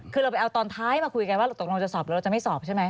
คือเราไปเอาตอนท้ายมาคุยกันว่าเราตกลงจะสอบหรือเราจะไม่สอบใช่ไหม